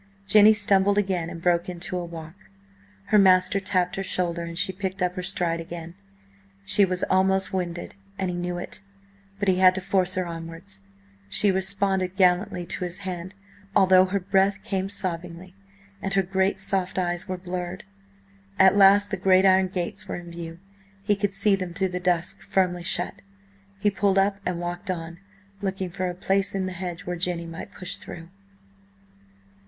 ... Jenny stumbled again and broke into a walk. Her master tapped her shoulder, and she picked up her stride again. She was almost winded, and he knew it, but he had to force her onwards. She responded gallantly to his hand, although her breath came sobbingly and her great, soft eyes were blurred. At last the great iron gates were in view; he could see them through the dusk, firmly shut. He pulled up and walked on, looking for a place in the hedge where Jenny might push through.